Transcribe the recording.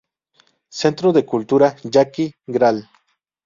Centro de Cultura Yaqui "Gral.